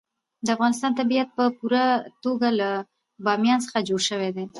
د افغانستان طبیعت په پوره توګه له بامیان څخه جوړ شوی دی.